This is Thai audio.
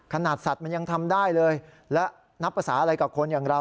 ขนาดสัตว์มันยังทำได้เลยและนับภาษาอะไรกับคนอย่างเรา